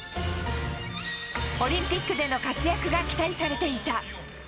オリンピックでの活躍が期待されていた。